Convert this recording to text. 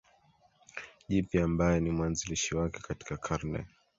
Jipya ambaye ni mwanzilishi wake katika karne